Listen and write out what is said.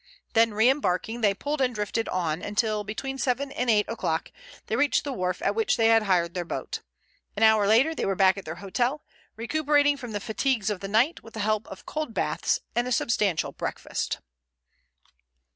Then re embarking, they pulled and drifted on until, between seven and eight o'clock, they reached the wharf at which they had hired their boat. An hour later they were back at their hotel, recuperating from the fatigues of the night with the help of cold baths and a substantial breakfast.